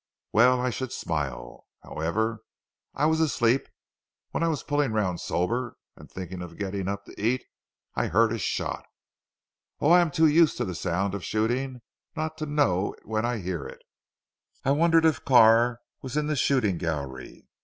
well I should smile. However, I was asleep. When I was pulling round sober, and thinking of getting up to eat, I heard a shot. Oh! I am too used to the sound of shooting not to know it when I hear it. I wondered if Carr was in the shooting gallery.